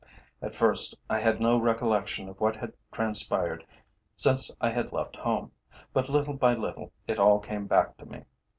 At first I had no recollection of what had transpired since I had left home, but little by little it all came back to me.